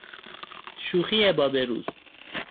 شوخی باب روز